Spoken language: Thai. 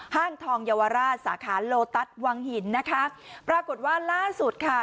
ห้างทองเยาวราชสาขาโลตัสวังหินนะคะปรากฏว่าล่าสุดค่ะ